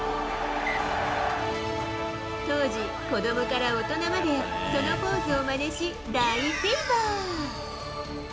当時、子どもから大人まで、そのポーズをまねし、大フィーバー。